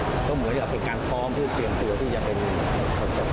เพราะเหมือนกับเป็นการพร้อมที่เปลี่ยนตัวที่จะเป็นคอนเซิร์ต